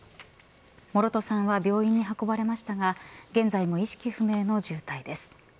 諸頭さんは病院に運ばれましたが現在も意識不明の重体です。